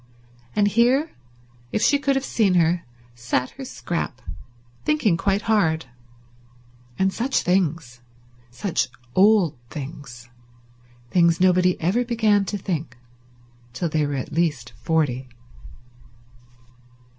And here, if she could have seen her, sat her Scrap thinking quite hard. And such things. Such old things. Things nobody ever began to think till they were at least forty.